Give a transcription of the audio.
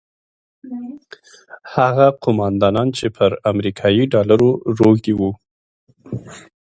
هغه قوماندانان چې پر امریکایي ډالرو روږدي وو.